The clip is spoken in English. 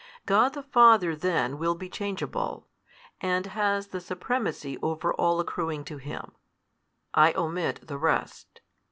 God the Father then will be changeable, and has the Supremacy over all accruing to Him: I omit the rest.